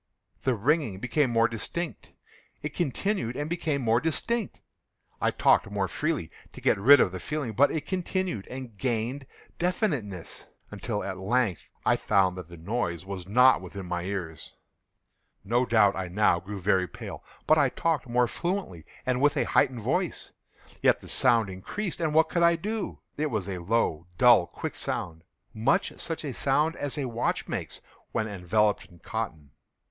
The ringing became more distinct:—it continued and became more distinct: I talked more freely to get rid of the feeling: but it continued and gained definiteness—until, at length, I found that the noise was not within my ears. No doubt I now grew very pale;—but I talked more fluently, and with a heightened voice. Yet the sound increased—and what could I do? It was a low, dull, quick sound—much such a sound as a watch makes when enveloped in cotton.